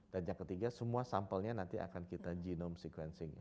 dan yang ketiga semua sampelnya nanti akan kita genome sequencing